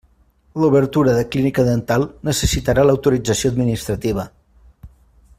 L'obertura de clínica dental necessitarà l'autorització administrativa.